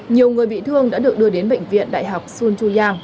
nhiều người bị thương đã được đưa đến bệnh viện đại học sun chuyang